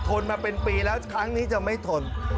นมาเป็นปีแล้วครั้งนี้จะไม่ทน